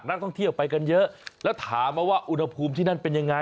นักท่องเที่ยวไปกันเยอะแล้วถามมาว่าอุณหภูมิที่นั่นเป็นยังไง